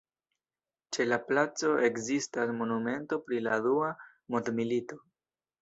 Ĉe la placo ekzistas monumento pri la Dua Mondmilito.